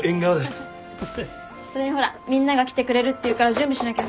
それにほらみんなが来てくれるっていうから準備しなきゃ。